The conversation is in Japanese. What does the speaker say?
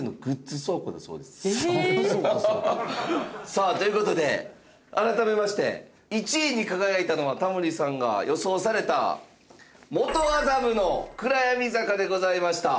さあという事で改めまして１位に輝いたのはタモリさんが予想された元麻布の暗闇坂でございました。